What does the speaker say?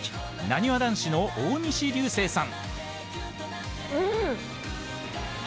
なにわ男子の大西流星さん。